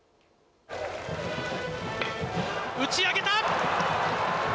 打ち上げた！